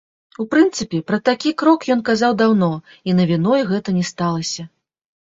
У прынцыпе, пра такі крок ён казаў даўно, і навіной гэта не сталася.